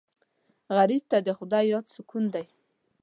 غریب ته د خدای یاد سکون دی